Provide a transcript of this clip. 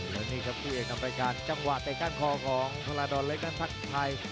และนี่ครับคู่เอกนำรายการจังหวะเตะก้านคอของธนาดอนเล็กนั้นทักทาย